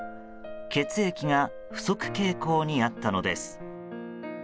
血液が不足傾向にあったのです。